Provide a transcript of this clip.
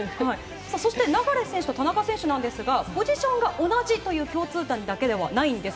そして、流選手と田中選手なんですが、ポジションが同じという共通点だけではないんです。